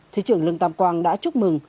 thứ trưởng lương tam quang đã chúc mừng